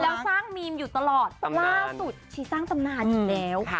แล้วสร้างมีมอยู่ตลอดล่าสุดชีสร้างตำนานอยู่แล้ว